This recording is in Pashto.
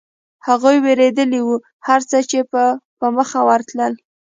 هغوی وېرېدلي و، هرڅه چې به په مخه ورتلل.